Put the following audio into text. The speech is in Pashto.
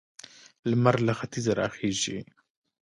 لمر له ختیځه راخيژي.